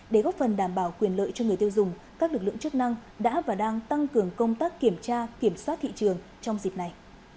để góp phần đảm bảo quyền lợi cho người tiêu dùng các lực lượng chức năng đã và đang tăng cường công tác kiểm tra kiểm soát thị trường trong dịp này